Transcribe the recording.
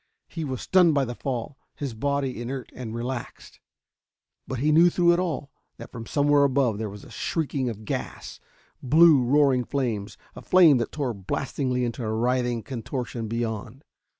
He was stunned by the fall, his body inert and relaxed. But he knew through it all that from somewhere above there was shrieking of gas blue, roaring fires a flame that tore blastingly into a writhing contortion beyond.